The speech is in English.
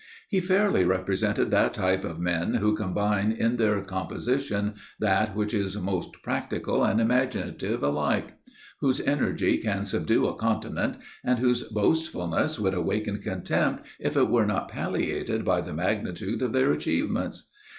He fairly represented that type of men who combine in their composition that which is most practical and imaginative alike; whose energy can subdue a continent, and whose boastfulness would awaken contempt if it were not palliated by the magnitude of their achievements.